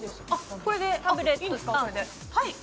これでいいんですか。